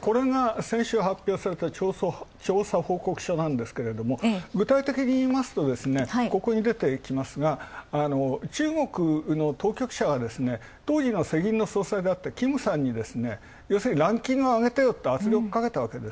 これが先週発表された調査報告書なんですが、具体的にいうと、ここに出てきますが中国の当局者が当時の世銀の総裁であったキムさんにランキング挙げてよと圧力をかけたと。